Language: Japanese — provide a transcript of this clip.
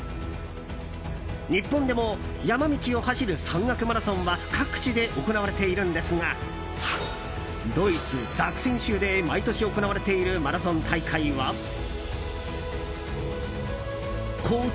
日本でも山道を走る山岳マラソンは各地で行われているんですがドイツ・ザクセン州で毎年行われているマラソン大会はコース